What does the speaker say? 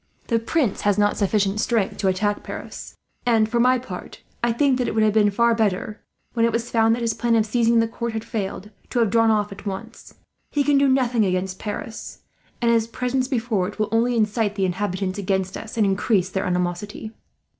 "The Prince has not sufficient strength to attack Paris. And for my part, I think that it would have been far better, when it was found that his plan of seizing the court had failed, to have drawn off at once. He can do nothing against Paris, and his presence before it will only incite the inhabitants against us, and increase their animosity.